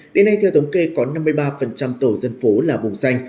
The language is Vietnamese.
đến nay theo thống kê có năm mươi ba tổ dân phố là vùng danh